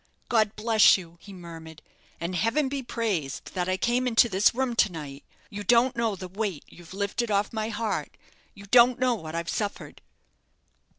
"God bless you," he murmured; "and heaven be praised that I came into this room to night! You don't know the weight you've lifted off my heart; you don't know what I've suffered."